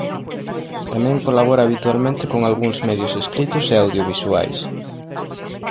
Tamén colabora habitualmente con algúns medios escritos e audiovisuais.